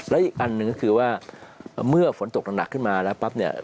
และอีกอันหนึ่งก็คือว่าเมื่อฝนตกหนักขึ้นมาแล้วปั๊บเนี่ย